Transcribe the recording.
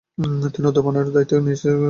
তিনি অধ্যাপনার দায়িত্ব নিজ কােঁধে তুলে নেন।